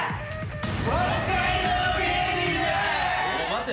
待て。